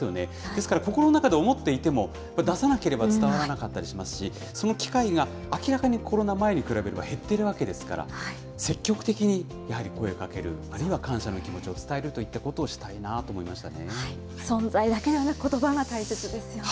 ですから、心の中で思っていても、出さなければ伝わらなかったりしますし、その機会が明らかにコロナ前に比べれば減ってるわけですから、積極的にやはり、声かける、あるいは感謝の気持ちを伝えるといったことをしたいなと思いまし存在だけではなく、ことばが大切ですよね。